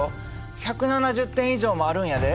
１７０点以上もあるんやで。